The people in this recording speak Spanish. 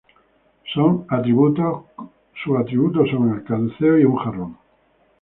Sus atributos son el caduceo y un jarrón.